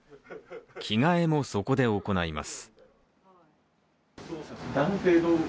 着替えもそこで行います。